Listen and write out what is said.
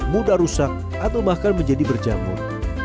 mudah rusak atau bahkan menjadi berjamur